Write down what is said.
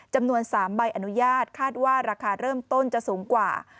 จำนวน๓ใบอนุญาตคาดว่าราคาเริ่มต้นจะสูงกว่า